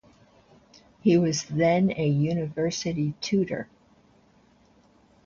He was then a university tutor.